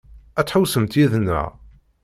Ad tḥewwsemt yid-neɣ?